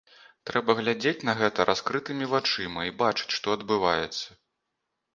Трэба глядзець на гэта раскрытымі вачыма і бачыць, што адбываецца.